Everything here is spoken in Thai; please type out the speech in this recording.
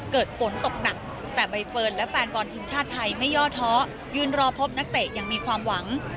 เกิดฝนตกหนักแต่ใบเฟิร์นและแฟนบอลทีมชาติไทยไม่ย่อท้อยืนรอพบนักเตะยังมีความหวัง